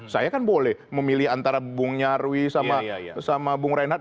saya kan boleh memilih antara bung nyarwi sama bung reinhard